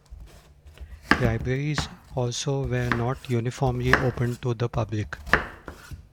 Libraries also were not uniformly open to the public.